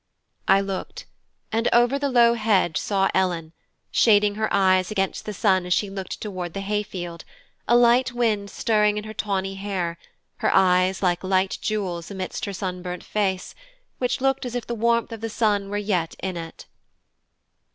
I looked, and over the low hedge saw Ellen, shading her eyes against the sun as she looked toward the hay field, a light wind stirring in her tawny hair, her eyes like light jewels amidst her sunburnt face, which looked as if the warmth of the sun were yet in it.